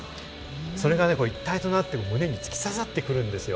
それがね、一体となって胸に突き刺さってくるんですよ。